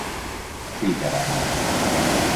Péter ellen.